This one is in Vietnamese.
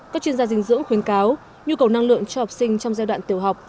các chuyên gia dinh dưỡng khuyến cáo nhu cầu năng lượng cho học sinh trong giai đoạn tiểu học